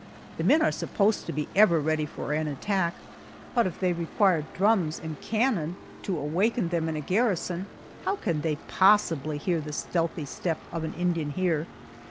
The men are supposed to be ever ready for an attack, but if they require drums and cannon to awaken them in a garrison, how can they possibly hear the stealthy step of an Indian here?